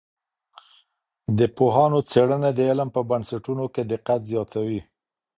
د پوهانو څېړنې د علم په بنسټونو کي دقت زیاتوي.